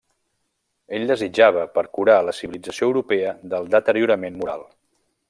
Ell desitjava per curar la civilització europea del deteriorament moral.